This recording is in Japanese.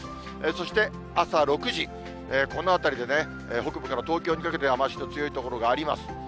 そして朝６時、このあたりでね、北部から東京にかけて雨足の強い所があります。